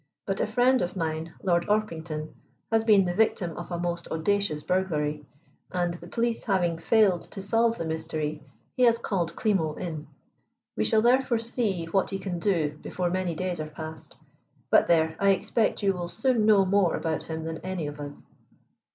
But a friend of mine, Lord Orpington, has been the victim of a most audacious burglary, and, the police having failed to solve the mystery, he has called Klimo in. We shall therefore see what he can do before many days are past. But, there, I expect you will soon know more about him than any of us."